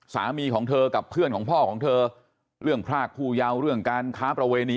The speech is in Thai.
สามีของเธอกับเพื่อนของพ่อของเธอเรื่องพรากผู้ยาวเรื่องการค้าประเวณี